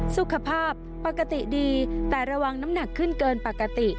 สุขภาพปกติดีแต่ระวังน้ำหนักขึ้นเกินปกติ